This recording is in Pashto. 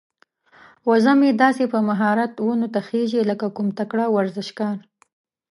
وزه مې داسې په مهارت ونو ته خيږي لکه کوم تکړه ورزشکار.